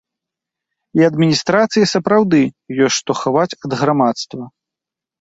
І адміністрацыі сапраўды ёсць што хаваць ад грамадства.